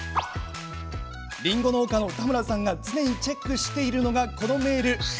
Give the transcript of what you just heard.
りんご農家の田村さんが常にチェックしているのがこのメール。